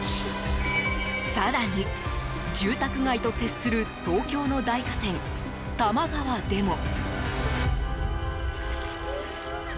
更に住宅街と接する東京の大河川多摩川でも。